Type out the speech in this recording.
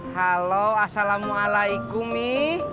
halo assalamualaikum mi